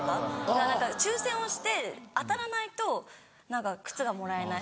何か抽選をして当たらないと靴がもらえない。